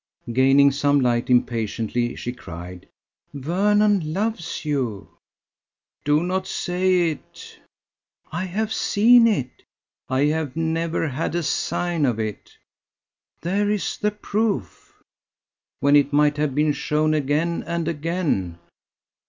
Gaining some light, impatiently she cried: "Vernon loves you." "Do not say it!" "I have seen it." "I have never had a sign of it." "There is the proof." "When it might have been shown again and again!"